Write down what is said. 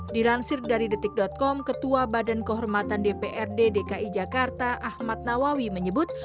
dilansir dari detik com ketua badan kehormatan dprd dki jakarta ahmad nawawi menyebut